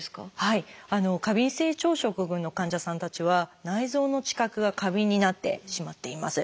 過敏性腸症候群の患者さんたちは内臓の知覚が過敏になってしまっています。